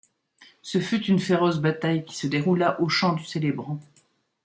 Ce fut une féroce bataille, qui se déroula aux Champs du Celebrant.